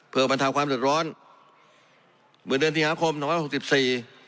เพื่อบันทับความหลุดร้อนเมื่อเดือนสี่หาคมหน้าหกสิบสี่